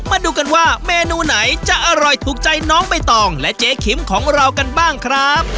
มาดูกันว่าเมนูไหนจะอร่อยถูกใจน้องใบตองและเจ๊คิมของเรากันบ้างครับ